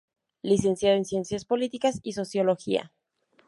Licenciado en Ciencias Políticas y Sociología.